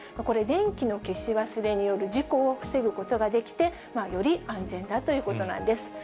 これ、電気の消し忘れによる事故を防ぐことができて、より安全だということなんです。